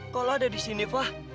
kalau ada di sini fah